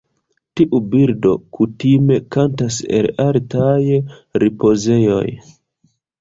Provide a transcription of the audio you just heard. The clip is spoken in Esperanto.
Tiu birdo kutime kantas el altaj ripozejoj.